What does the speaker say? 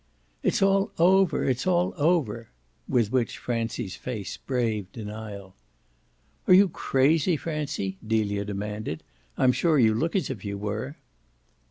"It's all over, it's all over!" With which Francie's face braved denial. "Are you crazy, Francie?" Delia demanded. "I'm sure you look as if you were."